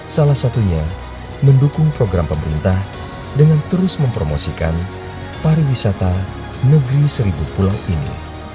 salah satunya mendukung program pemerintah dengan terus mempromosikan pariwisata negeri seribu pulau ini